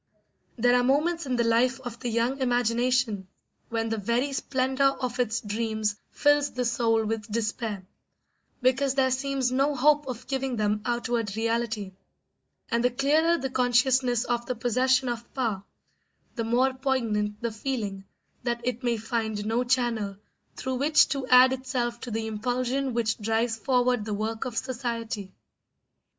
There are moments in the life of the young imagination when the very splendour of its dreams fills the soul with despair, because there seems no hope of giving them outward reality; and the clearer the consciousness of the possession of power, the more poignant the feeling that it may find no channel through which to add itself to the impulsion which drives forward the work of society.